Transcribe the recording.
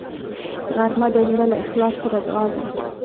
غرمه د زړه له اخلاص سره دعا ده